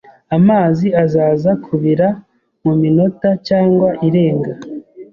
Amazi azaza kubira muminota cyangwa irenga